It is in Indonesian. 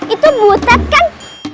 itu butet kan